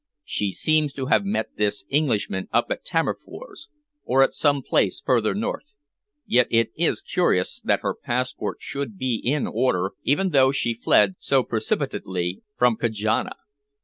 "She seems to have met this Englishman up at Tammerfors, or at some place further north, yet it is curious that her passport should be in order even though she fled so precipitately from Kajana.